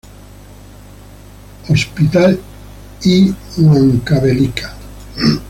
Hospital I Huancavelica.